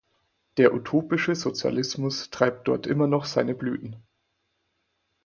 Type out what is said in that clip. Der utopische Sozialismus treibt dort immer noch seine Blüten.